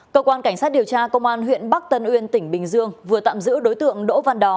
cơ quan cảnh sát điều tra công an huyện bắc tân uyên tỉnh bình dương vừa tạm giữ đối tượng đỗ văn đó